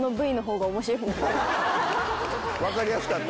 分かりやすかった。